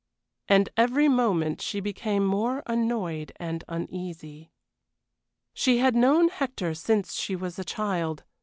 And every moment she became more annoyed and uneasy. She had known Hector since she was a child.